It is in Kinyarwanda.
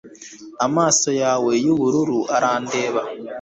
amaso yawe yubururu arandeba